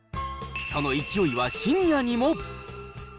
その勢いはシニアにも。